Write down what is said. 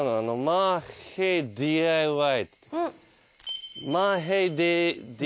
マーヘイＤＩＹ。